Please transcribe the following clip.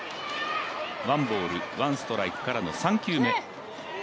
ワンボール、ワンストライクからの３球目。